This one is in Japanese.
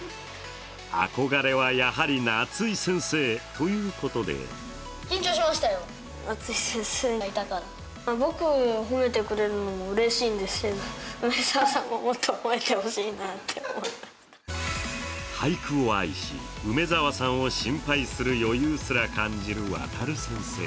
憧れはやはり夏井先生ということで俳句を愛し、梅沢さんを心配する余裕すら感じる航先生。